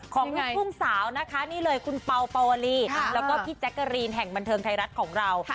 ลูกทุ่งสาวนะคะนี่เลยคุณเป่าเป่าวลีแล้วก็พี่แจ๊กกะรีนแห่งบันเทิงไทยรัฐของเรา